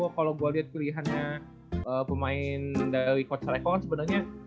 kalau gue lihat pilihannya pemain dari coach reco kan sebenarnya